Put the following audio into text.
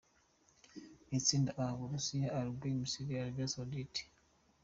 Itsinda A: U Burusiya, Uruguay, Misiri, Arabie Saoudite.